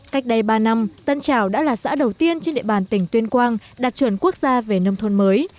cách đây ba năm tân trào đã là xã đầu tiên trên địa bàn tỉnh tuyên quang đạt chuẩn quốc gia về nông thôn mới